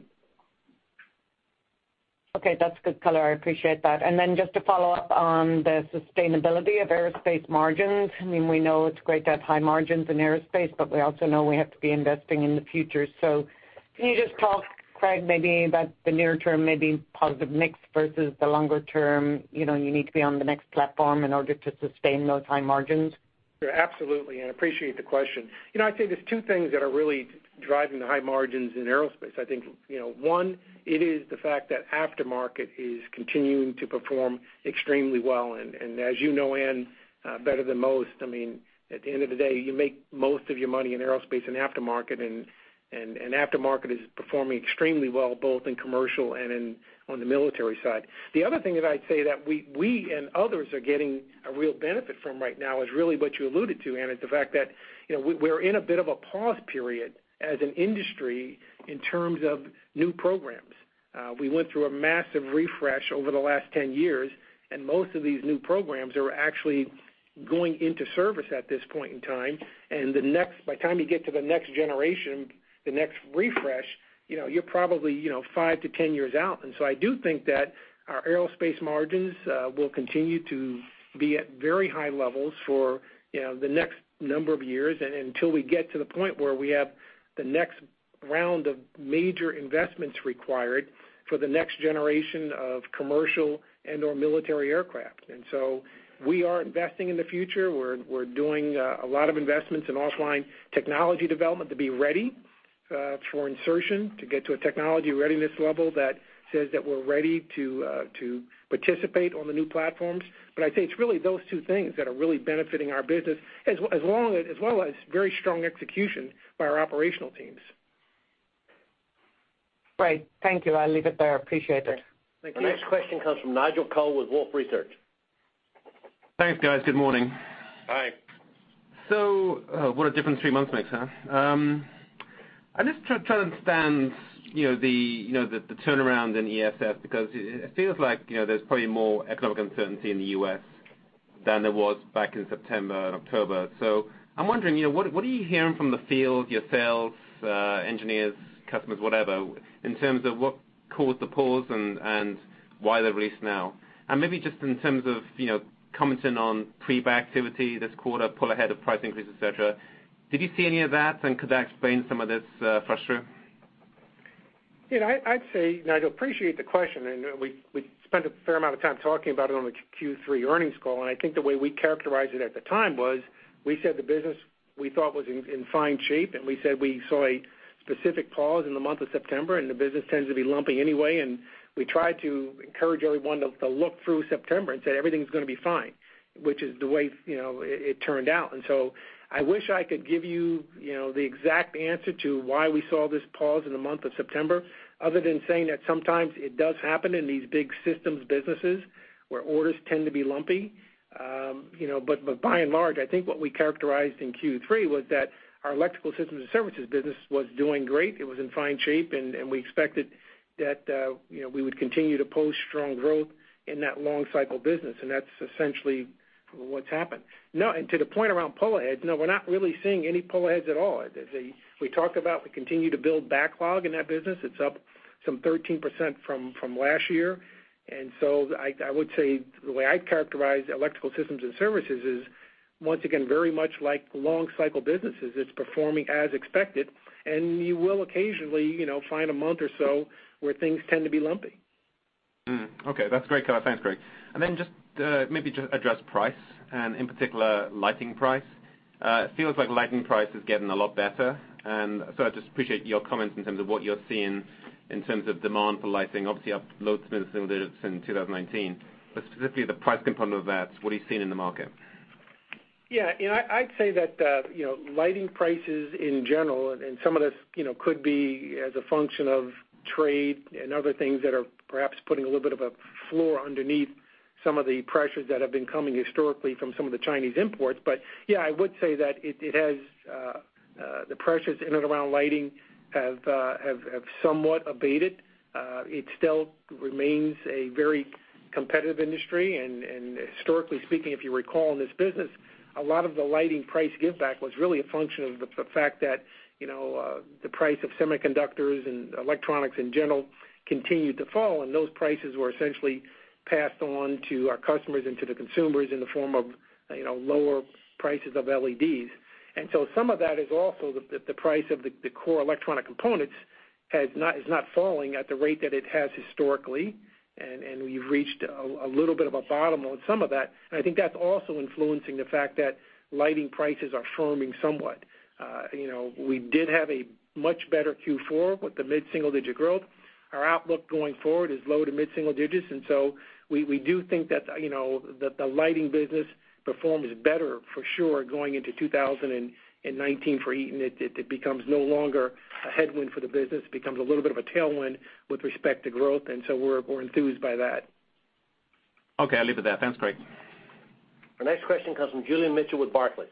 Okay. That's good color. I appreciate that. Just to follow up on the sustainability of aerospace margins. We know it's great to have high margins in aerospace, but we also know we have to be investing in the future. Can you just talk, Craig, maybe about the near term, maybe positive mix versus the longer term, you need to be on the next platform in order to sustain those high margins? Yeah, absolutely, and appreciate the question. I'd say there's two things that are really driving the high margins in aerospace. I think, one, it is the fact that aftermarket is continuing to perform extremely well, and as you know, Ann, better than most, at the end of the day, you make most of your money in aerospace and aftermarket, and aftermarket is performing extremely well, both in commercial and on the military side. The other thing that I'd say that we and others are getting a real benefit from right now is really what you alluded to, Ann, is the fact that we're in a bit of a pause period as an industry in terms of new programs. We went through a massive refresh over the last 10 years, and most of these new programs are actually going into service at this point in time. By the time you get to the next generation, the next refresh, you're probably five to 10 years out. I do think that our aerospace margins will continue to be at very high levels for the next number of years, until we get to the point where we have the next round of major investments required for the next generation of commercial and/or military aircraft. We are investing in the future. We're doing a lot of investments in offline technology development to be ready for insertion to get to a technology readiness level that says that we're ready to participate on the new platforms. I'd say it's really those two things that are really benefiting our business, as well as very strong execution by our operational teams. Great. Thank you. I'll leave it there. Appreciate it. Thank you. Our next question comes from Nigel Coe with Wolfe Research. Thanks, guys. Good morning. Hi. What a different three months makes, huh? I'm just trying to understand the turnaround in ESS because it feels like there's probably more economic uncertainty in the U.S. than there was back in September and October. I'm wondering, what are you hearing from the field yourselves, engineers, customers, whatever, in terms of what caused the pause and why the release now? Maybe just in terms of commenting on pre-buy activity this quarter, pull ahead of price increase, et cetera. Did you see any of that, and could that explain some of this pressure? I'd say, Nigel, appreciate the question. We spent a fair amount of time talking about it on the Q3 earnings call. I think the way we characterized it at the time was we said the business we thought was in fine shape. We said we saw a specific pause in the month of September. The business tends to be lumpy anyway. We tried to encourage everyone to look through September and said everything's going to be fine, which is the way it turned out. I wish I could give you the exact answer to why we saw this pause in the month of September, other than saying that sometimes it does happen in these big systems businesses where orders tend to be lumpy. By and large, I think what we characterized in Q3 was that our Electrical Systems and Services business was doing great. It was in fine shape. We expected that we would continue to post strong growth in that long cycle business. That's essentially what's happened. Now, to the point around pull aheads, no, we're not really seeing any pull aheads at all. We talked about we continue to build backlog in that business. It's up some 13% from last year. I would say the way I characterize Electrical Systems and Services is, once again, very much like long cycle businesses. It's performing as expected. You will occasionally find a month or so where things tend to be lumpy. Okay. That's great color. Thanks, Craig. Just maybe just address price and in particular lighting price. It feels like lighting price is getting a lot better. I just appreciate your comments in terms of what you're seeing in terms of demand for lighting. Obviously, up low single digits in 2019, specifically the price component of that, what are you seeing in the market? I'd say that lighting prices in general, and some of this could be as a function of trade and other things that are perhaps putting a little bit of a floor underneath some of the pressures that have been coming historically from some of the Chinese imports. Yeah, I would say that the pressures in and around lighting have somewhat abated. It still remains a very competitive industry, and historically speaking, if you recall, in this business, a lot of the lighting price giveback was really a function of the fact that the price of semiconductors and electronics in general continued to fall, and those prices were essentially passed on to our customers and to the consumers in the form of lower prices of LEDs. Some of that is also the price of the core electronic components is not falling at the rate that it has historically, and we've reached a little bit of a bottom on some of that. I think that's also influencing the fact that lighting prices are firming somewhat. We did have a much better Q4 with the mid-single-digit growth. Our outlook going forward is low to mid-single digits. We do think that the lighting business performs better for sure, going into 2019 for Eaton. It becomes no longer a headwind for the business. It becomes a little bit of a tailwind with respect to growth. We're enthused by that. Okay, I'll leave it there. Thanks, Craig. Our next question comes from Julian Mitchell with Barclays.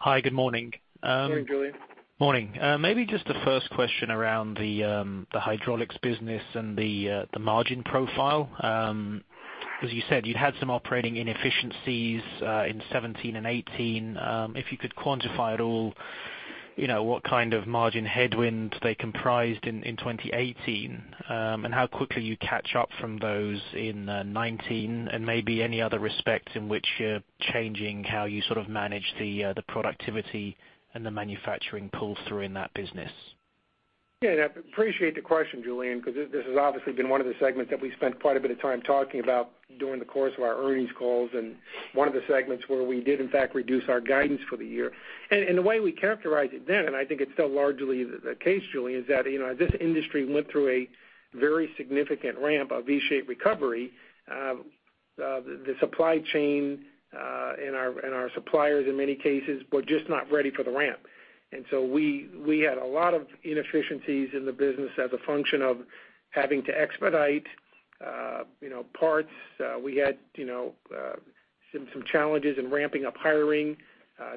Hi. Good morning. Morning, Julian. Morning. Maybe just the first question around the hydraulics business and the margin profile. You said you'd had some operating inefficiencies in 2017 and 2018. If you could quantify at all, what kind of margin headwind they comprised in 2018, and how quickly you catch up from those in 2019, and maybe any other respects in which you're changing how you sort of manage the productivity and the manufacturing pull through in that business. Yeah, I appreciate the question, Julian, this has obviously been one of the segments that we spent quite a bit of time talking about during the course of our earnings calls and one of the segments where we did, in fact, reduce our guidance for the year. The way we characterized it then, and I think it's still largely the case, Julian, is that this industry went through a very significant ramp, a V-shaped recovery. The supply chain and our suppliers, in many cases, were just not ready for the ramp. So we had a lot of inefficiencies in the business as a function of having to expedite parts. We had some challenges in ramping up hiring,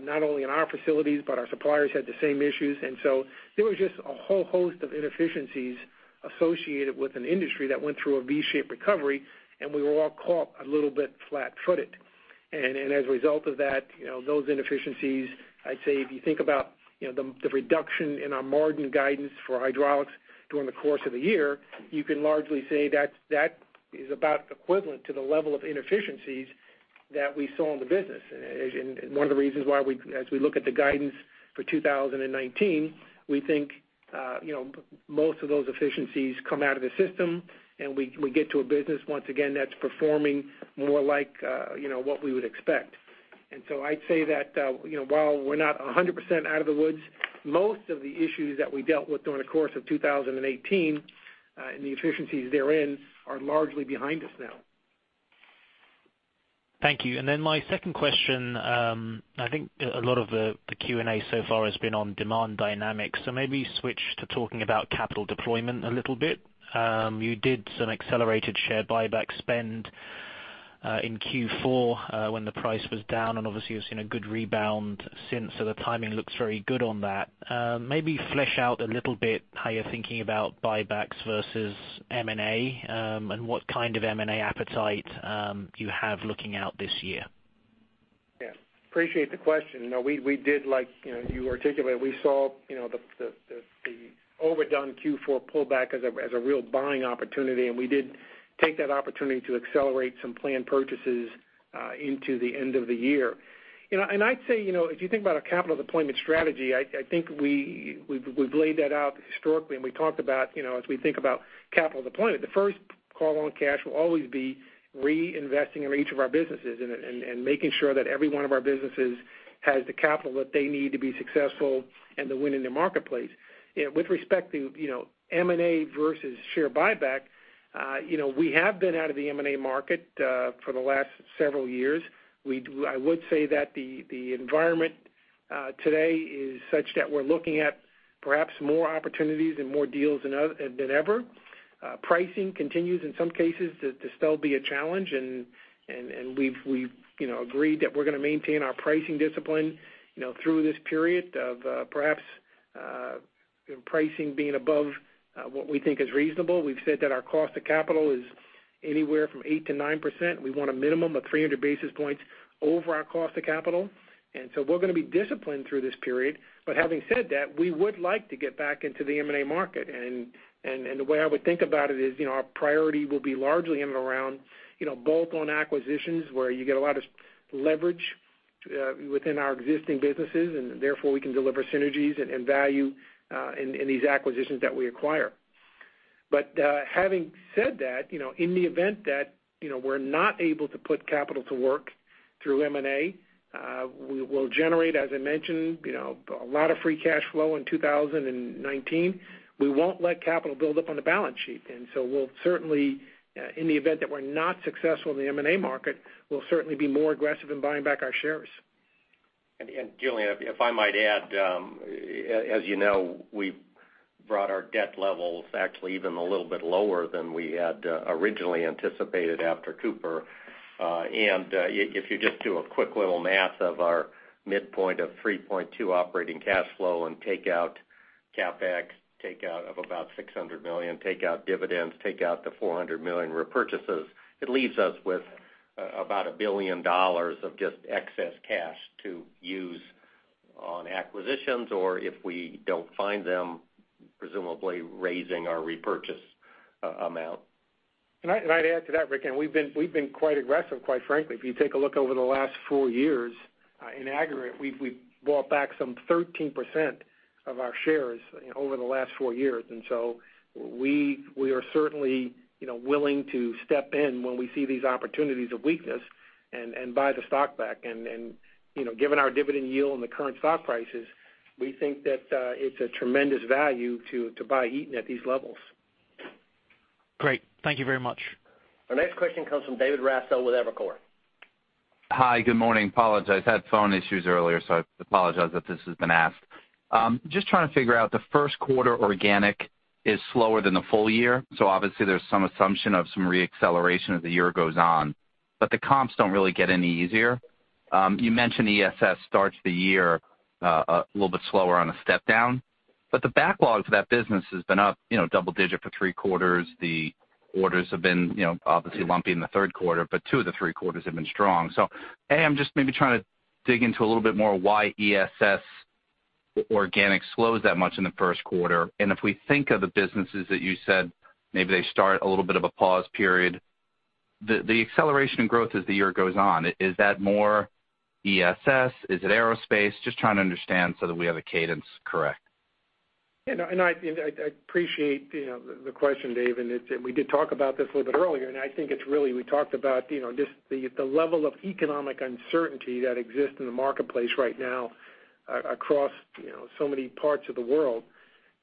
not only in our facilities, but our suppliers had the same issues. There was just a whole host of inefficiencies associated with an industry that went through a V-shaped recovery, and we were all caught a little bit flat-footed. As a result of that, those inefficiencies, I'd say, if you think about the reduction in our margin guidance for hydraulics during the course of the year, you can largely say that is about equivalent to the level of inefficiencies that we saw in the business. One of the reasons why, as we look at the guidance for 2019, we think most of those efficiencies come out of the system, and we get to a business, once again, that's performing more like what we would expect. I'd say that while we're not 100% out of the woods, most of the issues that we dealt with during the course of 2018, and the efficiencies therein, are largely behind us now. Thank you. My second question, I think a lot of the Q&A so far has been on demand dynamics, maybe switch to talking about capital deployment a little bit. You did some accelerated share buyback spend in Q4 when the price was down, obviously, you've seen a good rebound since, the timing looks very good on that. Maybe flesh out a little bit how you're thinking about buybacks versus M&A, and what kind of M&A appetite you have looking out this year. Yeah. Appreciate the question. We did, like you articulated, we saw the overdone Q4 pullback as a real buying opportunity, we did take that opportunity to accelerate some planned purchases into the end of the year. I'd say, if you think about our capital deployment strategy, I think we've laid that out historically, we talked about as we think about capital deployment, the first call on cash will always be reinvesting in each of our businesses and making sure that every one of our businesses has the capital that they need to be successful and to win in the marketplace. With respect to M&A versus share buyback, we have been out of the M&A market for the last several years. I would say that the environment today is such that we're looking at perhaps more opportunities and more deals than ever. Pricing continues, in some cases, to still be a challenge. We've agreed that we're going to maintain our pricing discipline through this period of perhaps pricing being above what we think is reasonable. We've said that our cost of capital is anywhere from 8% to 9%. We want a minimum of 300 basis points over our cost of capital. So we're going to be disciplined through this period. Having said that, we would like to get back into the M&A market. The way I would think about it is, our priority will be largely in and around bolt-on acquisitions where you get a lot of leverage within our existing businesses, and therefore we can deliver synergies and value in these acquisitions that we acquire. Having said that, in the event that we're not able to put capital to work through M&A. We will generate, as I mentioned, a lot of free cash flow in 2019. We won't let capital build up on the balance sheet. So we'll certainly, in the event that we're not successful in the M&A market, we'll certainly be more aggressive in buying back our shares. Julian, if I might add, as you know, we brought our debt levels actually even a little bit lower than we had originally anticipated after Cooper. If you just do a quick little math of our midpoint of $3.2 billion operating cash flow and take out CapEx, take out of about $600 million, take out dividends, take out the $400 million repurchases, it leaves us with about $1 billion of just excess cash to use on acquisitions, or if we don't find them, presumably raising our repurchase amount. I'd add to that, Rick. We've been quite aggressive, quite frankly. If you take a look over the last four years, in aggregate, we've bought back some 13% of our shares over the last four years. So we are certainly willing to step in when we see these opportunities of weakness and buy the stock back. Given our dividend yield and the current stock prices, we think that it's a tremendous value to buy Eaton at these levels. Great. Thank you very much. Our next question comes from David Raso with Evercore. Hi, good morning. Apologize. Had phone issues earlier, so I apologize if this has been asked. Just trying to figure out the first quarter organic is slower than the full year, so obviously there's some assumption of some re-acceleration as the year goes on. The comps don't really get any easier. You mentioned ESS starts the year a little bit slower on a step down, but the backlog for that business has been up double-digit for three quarters. The orders have been obviously lumpy in the third quarter, but two of the three quarters have been strong. A, I'm just maybe trying to dig into a little bit more why ESS organic slows that much in the first quarter. If we think of the businesses that you said maybe they start a little bit of a pause period, the acceleration in growth as the year goes on, is that more ESS? Is it aerospace? Just trying to understand so that we have the cadence correct. I appreciate the question, David, we did talk about this a little bit earlier, I think it's really, we talked about just the level of economic uncertainty that exists in the marketplace right now across so many parts of the world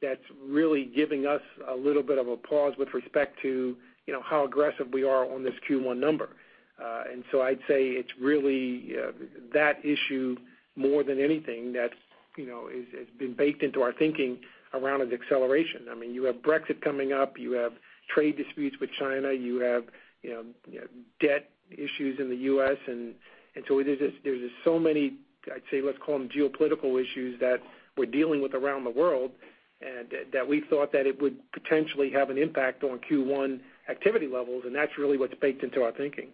that's really giving us a little bit of a pause with respect to how aggressive we are on this Q1 number. I'd say it's really that issue more than anything that has been baked into our thinking around an acceleration. You have Brexit coming up. You have trade disputes with China. You have debt issues in the U.S. There's just so many, I'd say, let's call them geopolitical issues that we're dealing with around the world, that we thought that it would potentially have an impact on Q1 activity levels, that's really what's baked into our thinking.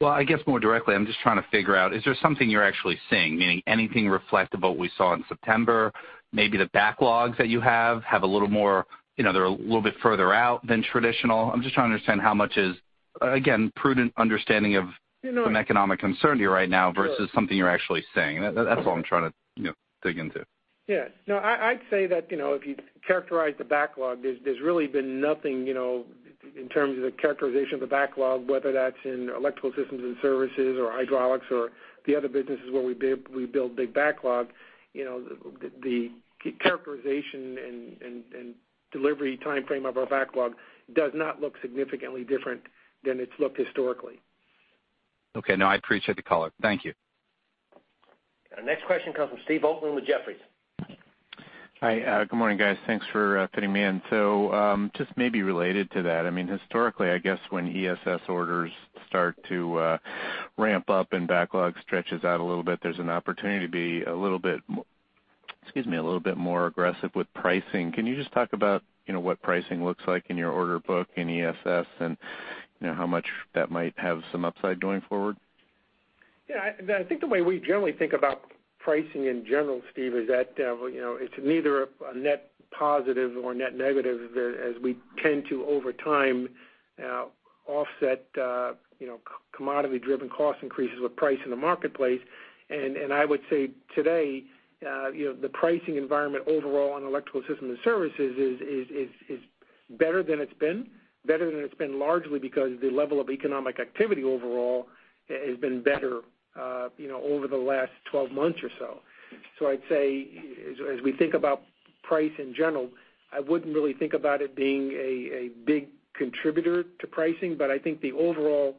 Well, I guess more directly, I'm just trying to figure out, is there something you're actually seeing, meaning anything reflective of what we saw in September? Maybe the backlogs that you have, they're a little bit further out than traditional. I'm just trying to understand how much is, again, prudent understanding of some economic uncertainty right now versus something you're actually seeing. That's all I'm trying to dig into. Yeah. No, I'd say that if you characterize the backlog, there's really been nothing in terms of the characterization of the backlog, whether that's in Electrical Systems and Services or hydraulics or the other businesses where we build big backlog. The characterization and delivery timeframe of our backlog does not look significantly different than it's looked historically. Okay. No, I appreciate the color. Thank you. Our next question comes from Steve Bolton with Jefferies. Hi. Good morning, guys. Thanks for fitting me in. Just maybe related to that, historically, I guess when ESS orders start to ramp up and backlog stretches out a little bit, there's an opportunity to be a little bit more aggressive with pricing. Can you just talk about what pricing looks like in your order book in ESS and how much that might have some upside going forward? Yeah, I think the way we generally think about pricing in general, Steve, is that it's neither a net positive or net negative as we tend to, over time, offset commodity-driven cost increases with price in the marketplace. I would say today, the pricing environment overall on Electrical Systems and Services is better than it's been, better than it's been largely because the level of economic activity overall has been better over the last 12 months or so. I'd say as we think about price in general, I wouldn't really think about it being a big contributor to pricing, but I think the overall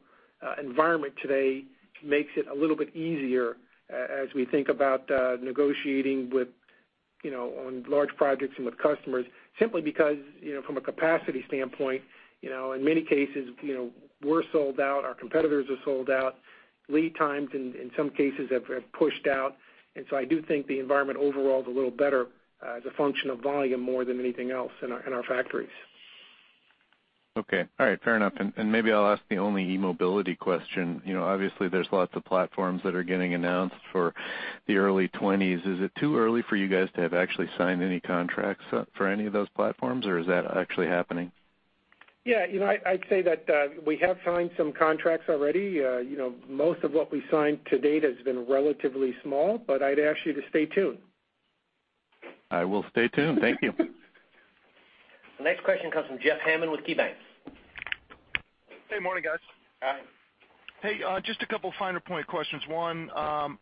environment today makes it a little bit easier as we think about negotiating on large projects and with customers, simply because from a capacity standpoint in many cases, we're sold out, our competitors are sold out. Lead times in some cases have pushed out. I do think the environment overall is a little better as a function of volume more than anything else in our factories. Okay. All right. Fair enough. Maybe I'll ask the only eMobility question. Obviously, there's lots of platforms that are getting announced for the early 2020s. Is it too early for you guys to have actually signed any contracts for any of those platforms, or is that actually happening? Yeah. I'd say that we have signed some contracts already. Most of what we signed to date has been relatively small. I'd ask you to stay tuned. I will stay tuned. Thank you. The next question comes from Jeff Hammond with KeyBanc. Hey, morning, guys. Hi. Hey, just a couple finer point questions. One,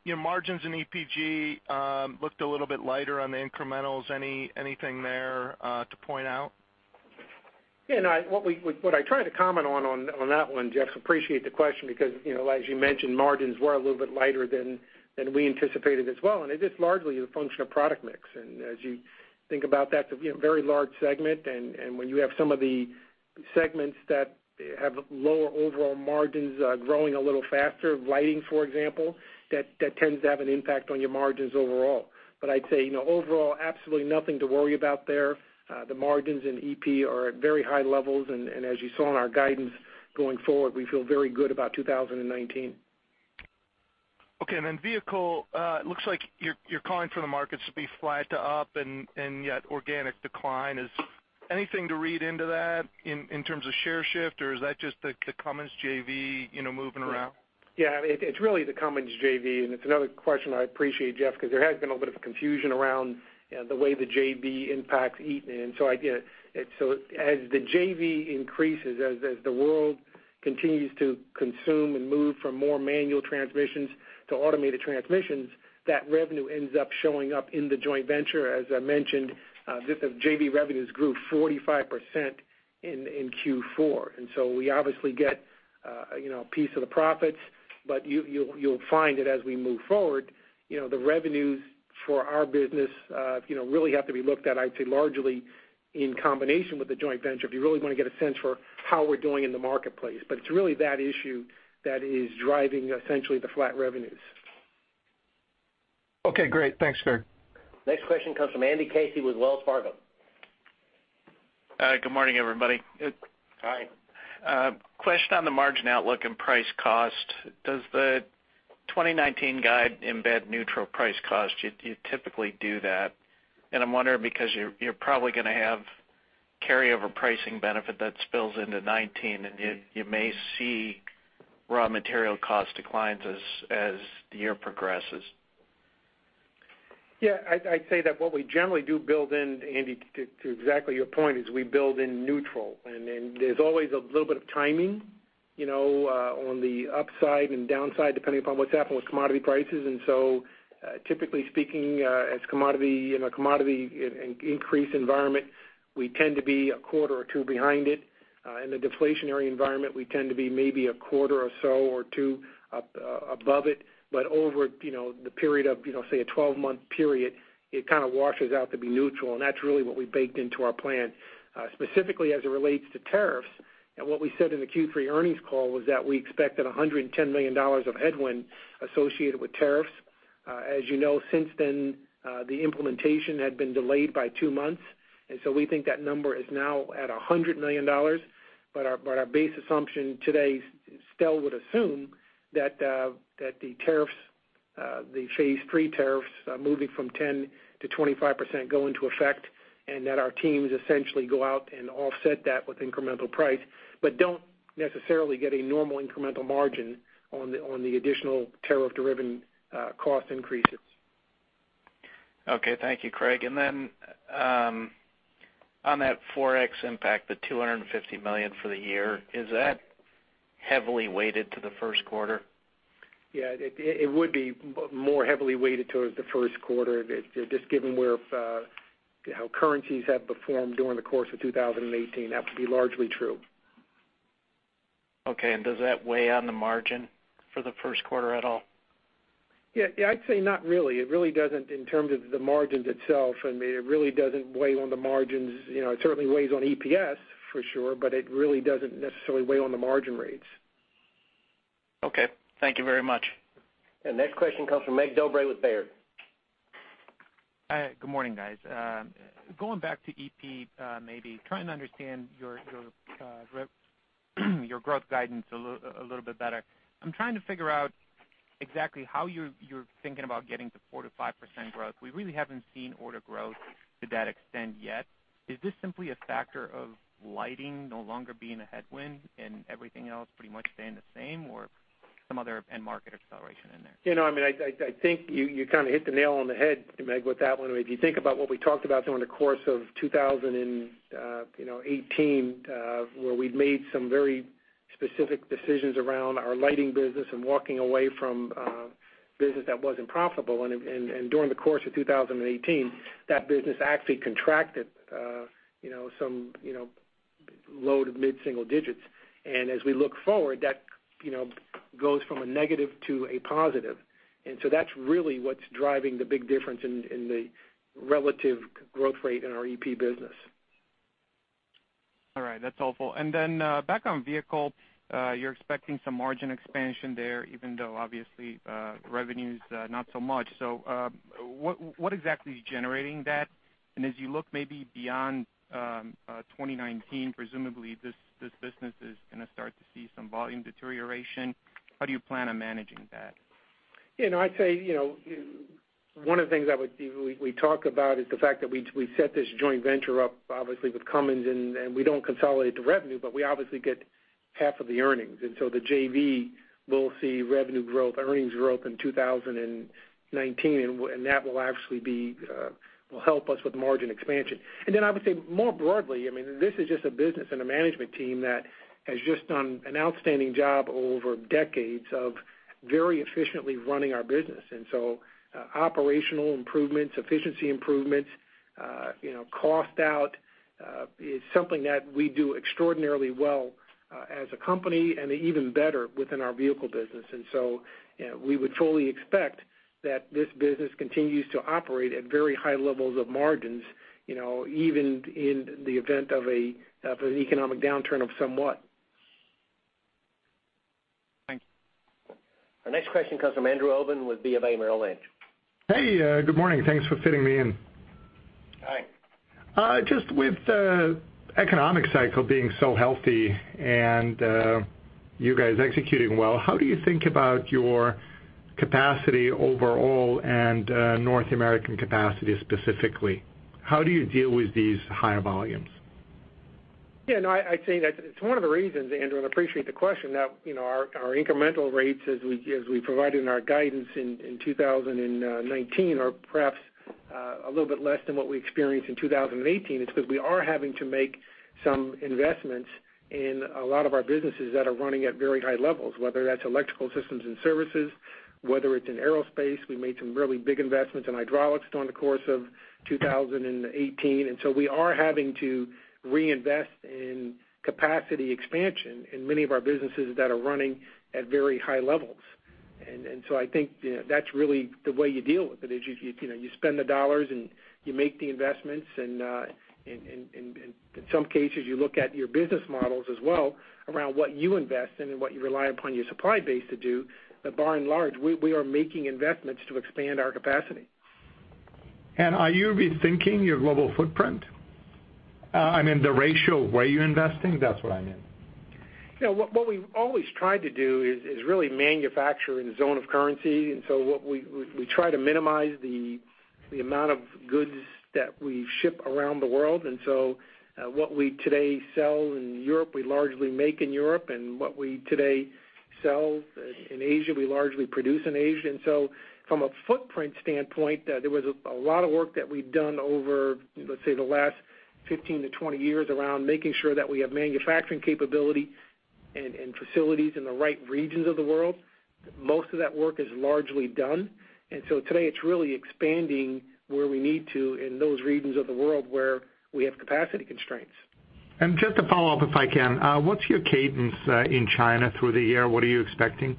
your margins in EPG looked a little bit lighter on the incrementals. Anything there to point out? Yeah. What I tried to comment on that one, Jeff, appreciate the question because, as you mentioned, margins were a little bit lighter than we anticipated as well. It is largely a function of product mix. As you think about that, it's a very large segment, and when you have some of the segments that have lower overall margins growing a little faster, lighting, for example, that tends to have an impact on your margins overall. I'd say, overall, absolutely nothing to worry about there. The margins in EP are at very high levels. As you saw in our guidance going forward, we feel very good about 2019. Okay. Then vehicle, looks like you're calling for the markets to be flat to up, and yet organic decline. Is anything to read into that in terms of share shift, or is that just the Cummins JV moving around? Yeah. It's really the Cummins JV, it's another question I appreciate, Jeff, because there has been a little bit of confusion around the way the JV impacts Eaton. As the JV increases, as the world continues to consume and move from more manual transmissions to automated transmissions, that revenue ends up showing up in the joint venture. As I mentioned, just the JV revenues grew 45% in Q4. We obviously get a piece of the profits. You'll find that as we move forward, the revenues for our business really have to be looked at, I'd say, largely in combination with the joint venture if you really want to get a sense for how we're doing in the marketplace. It's really that issue that is driving essentially the flat revenues. Okay, great. Thanks, Craig. Next question comes from Andy Casey with Wells Fargo. Good morning, everybody. Hi. Question on the margin outlook and price cost. Does the 2019 guide embed neutral price cost? I'm wondering because you're probably going to have carryover pricing benefit that spills into 2019, and you may see raw material cost declines as the year progresses. Yeah, I'd say that what we generally do build in, Andy, to exactly your point, is we build in neutral. There's always a little bit of timing on the upside and downside, depending upon what's happening with commodity prices. Typically speaking, as commodity in a commodity increase environment, we tend to be a quarter or two behind it. In a deflationary environment, we tend to be maybe a quarter or so or two above it. Over the period of, say, a 12-month period, it kind of washes out to be neutral. That's really what we baked into our plan. Specifically as it relates to tariffs, and what we said in the Q3 earnings call was that we expected $110 million of headwind associated with tariffs. As you know, since then, the implementation had been delayed by two months, we think that number is now at $100 million. Our base assumption today still would assume that the phase three tariffs moving from 10% to 25% go into effect, and that our teams essentially go out and offset that with incremental price, but don't necessarily get a normal incremental margin on the additional tariff-driven cost increases. Okay, thank you, Craig. On that Forex impact, the $250 million for the year, is that heavily weighted to the first quarter? Yeah, it would be more heavily weighted towards the first quarter. Just given how currencies have performed during the course of 2018, that would be largely true. Okay, does that weigh on the margin for the first quarter at all? Yeah, I'd say not really. It really doesn't in terms of the margins itself. I mean, it really doesn't weigh on the margins. It certainly weighs on EPS, for sure, but it really doesn't necessarily weigh on the margin rates. Okay. Thank you very much. Next question comes from Mig Dobre with Baird. Hi. Good morning, guys. Going back to EP, maybe trying to understand your growth guidance a little bit better. I'm trying to figure out exactly how you're thinking about getting to 4%-5% growth. We really haven't seen order growth to that extent yet. Is this simply a factor of lighting no longer being a headwind and everything else pretty much staying the same, or some other end market acceleration in there? I think you kind of hit the nail on the head, Mig, with that one. If you think about what we talked about during the course of 2018, where we'd made some very specific decisions around our lighting business and walking away from business that wasn't profitable. During the course of 2018, that business actually contracted some low to mid-single digits. As we look forward, that goes from a negative to a positive. That's really what's driving the big difference in the relative growth rate in our EP business. All right. That's helpful. Then back on vehicle, you're expecting some margin expansion there, even though obviously revenues not so much. What exactly is generating that? As you look maybe beyond 2019, presumably this business is going to start to see some volume deterioration. How do you plan on managing that? I'd say one of the things that we talk about is the fact that we set this joint venture up, obviously, with Cummins, we don't consolidate the revenue, but we obviously get half of the earnings. The JV will see revenue growth, earnings growth in 2019, that will help us with margin expansion. I would say more broadly, this is just a business and a management team that has just done an outstanding job over decades of very efficiently running our business. Operational improvements, efficiency improvements, cost out is something that we do extraordinarily well as a company and even better within our vehicle business. We would fully expect that this business continues to operate at very high levels of margins even in the event of an economic downturn of somewhat. Thank you. Our next question comes from Andrew Obin with BofA Merrill Lynch. Hey, good morning. Thanks for fitting me in. Hi. Just with the economic cycle being so healthy and you guys executing well, how do you think about your capacity overall and North American capacity specifically? How do you deal with these higher volumes? Yeah, no, I'd say that it's one of the reasons, Andrew, and I appreciate the question, that our incremental rates as we provided in our guidance in 2019 are perhaps a little bit less than what we experienced in 2018. It's because we are having to make some investments in a lot of our businesses that are running at very high levels, whether that's Electrical Systems and Services, whether it's in aerospace. We made some really big investments in hydraulics during the course of 2018. So we are having to reinvest in capacity expansion in many of our businesses that are running at very high levels. I think that's really the way you deal with it, is you spend the dollars, and you make the investments, and in some cases, you look at your business models as well around what you invest in and what you rely upon your supply base to do. By and large, we are making investments to expand our capacity. Are you rethinking your global footprint? I mean, the ratio where you're investing, that's what I mean What we've always tried to do is really manufacture in zone of currency. We try to minimize the amount of goods that we ship around the world. What we today sell in Europe, we largely make in Europe, and what we today sell in Asia, we largely produce in Asia. From a footprint standpoint, there was a lot of work that we've done over, let's say, the last 15-20 years around making sure that we have manufacturing capability and facilities in the right regions of the world. Most of that work is largely done. Today it's really expanding where we need to in those regions of the world where we have capacity constraints. Just to follow up, if I can. What's your cadence in China through the year? What are you expecting?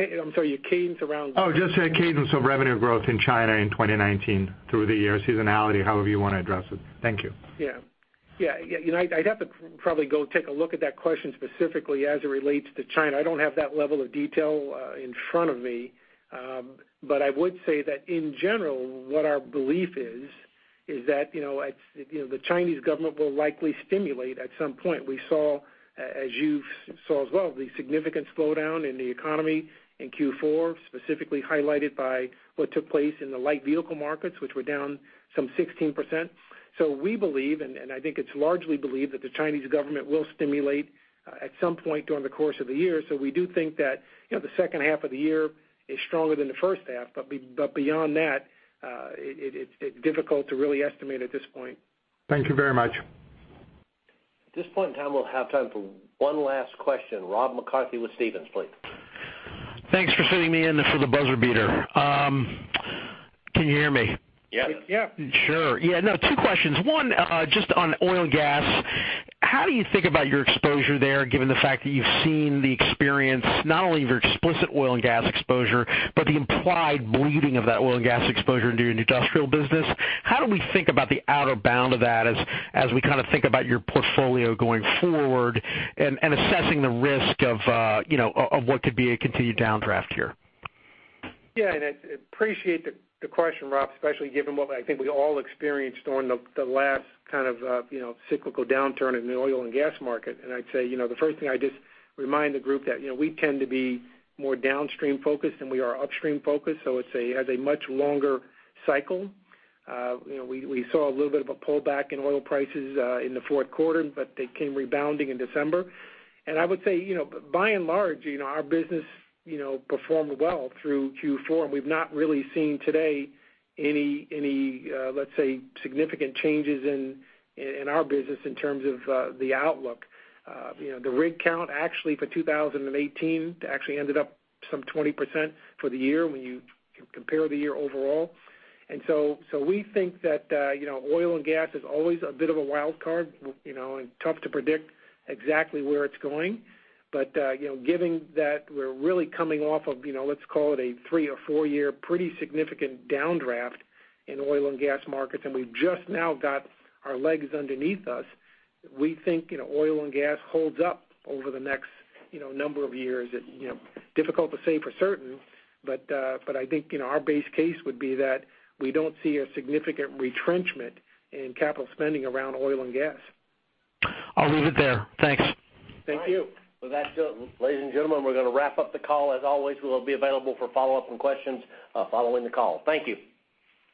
I'm sorry, your cadence around- Oh, just cadence of revenue growth in China in 2019 through the year, seasonality, however you want to address it. Thank you. Yeah. I'd have to probably go take a look at that question specifically as it relates to China. I don't have that level of detail in front of me. I would say that in general, what our belief is that the Chinese government will likely stimulate at some point. We saw, as you saw as well, the significant slowdown in the economy in Q4, specifically highlighted by what took place in the light vehicle markets, which were down some 16%. We believe, and I think it's largely believed, that the Chinese government will stimulate at some point during the course of the year. We do think that the second half of the year is stronger than the first half. Beyond that, it's difficult to really estimate at this point. Thank you very much. At this point in time, we'll have time for one last question. Rob McCarthy with Stephens, please. Thanks for fitting me in for the buzzer beater. Can you hear me? Yep. Yep. Sure. Yeah, two questions. One, just on oil and gas. How do you think about your exposure there, given the fact that you've seen the experience not only of your explicit oil and gas exposure, but the implied bleeding of that oil and gas exposure into your industrial business? How do we think about the outer bound of that as we kind of think about your portfolio going forward and assessing the risk of what could be a continued downdraft here? Yeah, I appreciate the question, Rob, especially given what I think we all experienced during the last kind of cyclical downturn in the oil and gas market. I'd say, the first thing I just remind the group that we tend to be more downstream focused than we are upstream focused, so it has a much longer cycle. We saw a little bit of a pullback in oil prices in the fourth quarter, but they came rebounding in December. I would say by and large, our business performed well through Q4, and we've not really seen today any, let's say, significant changes in our business in terms of the outlook. The rig count actually for 2018, that actually ended up some 20% for the year when you compare the year overall. We think that oil and gas is always a bit of a wild card, and tough to predict exactly where it's going. Given that we're really coming off of, let's call it a three or four-year pretty significant downdraft in oil and gas markets, and we've just now got our legs underneath us, we think oil and gas holds up over the next number of years. Difficult to say for certain, but I think our base case would be that we don't see a significant retrenchment in capital spending around oil and gas. I'll leave it there. Thanks. Thank you. With that, ladies and gentlemen, we're going to wrap up the call. As always, we will be available for follow-up and questions following the call. Thank you.